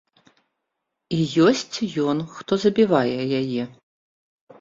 І ёсць ён, хто забівае яе.